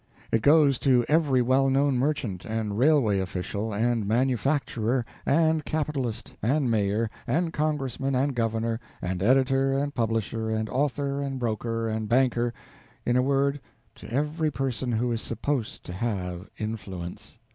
It goes to every well known merchant, and railway official, and manufacturer, and capitalist, and Mayor, and Congressman, and Governor, and editor, and publisher, and author, and broker, and banker in a word, to every person who is supposed to have "influence."